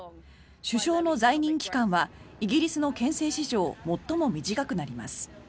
首相の在任期間はイギリスの憲政史上最も短くなります。